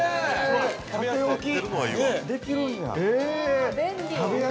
◆縦置きできるんや。